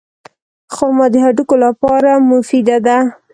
خرما د هډوکو لپاره مفیده ده.